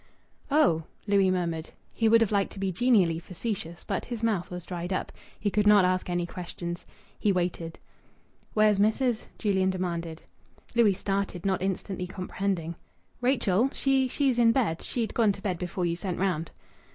"Oh!" Louis murmured. He would have liked to be genially facetious, but his mouth was dried up. He could not ask any questions. He waited. "Where's missis?" Julian demanded. Louis started, not instantly comprehending. "Rachel? She's she's in bed. She'd gone to bed before you sent round."